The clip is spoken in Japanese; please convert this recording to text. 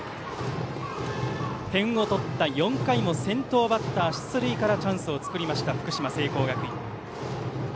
点を取った４回も先頭バッター出塁からチャンスを作った福島・聖光学院。